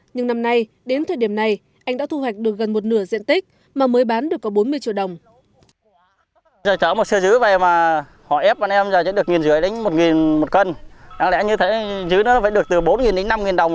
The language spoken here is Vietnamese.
nhưng năm nay đến thời điểm này anh đã thu hoạch được gần một nửa diện tích mà mới bán được có bốn mươi triệu đồng